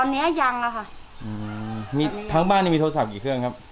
ตอนนี้ยังอ่ะค่ะอืมมีทั้งบ้านนี่มีโทรศัพท์กี่เครื่องครับ